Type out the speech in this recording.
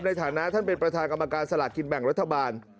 ในฐานะท่านเป็นประธานกรรมการสลากกินแบ่งรัฐบาล